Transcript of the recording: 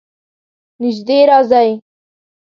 نژدې راځئ